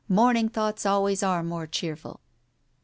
Morning thoughts always are more cheerful.